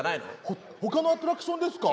ほほかのアトラクションですか？